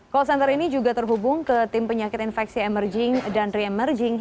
call center ini juga terhubung ke tim penyakit infeksi emerging dan re emerging